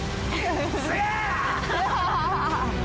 すげえや！